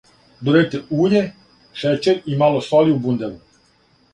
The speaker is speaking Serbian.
Додајте уље, шећер и мало соли у бундеву.